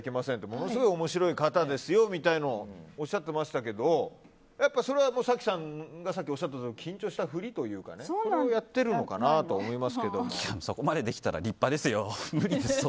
ものすごく面白い方ですよみたいなのをおっしゃってましたけどそれは早紀さんがおっしゃっていた緊張したふりというかそれをやっているのかなとそこまでできたら立派ですよ。